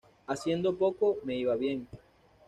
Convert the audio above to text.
Haciendo poco me iba bien.